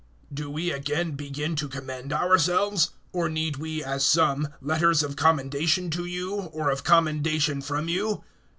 DO we again begin to commend ourselves? Or need we, as some, letters of commendation to you, or of commendation from you?